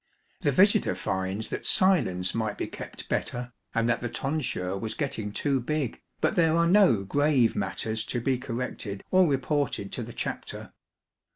The visitor finds that silence might be kept better, and that the tonsure was getting too big, but there are no grave matters to be corrected or reported to the Chapter.